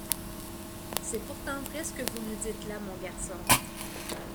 C’est pourtant vrai ce que vous dites là, mon garçon